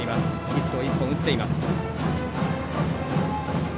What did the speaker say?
ヒット１本打っています。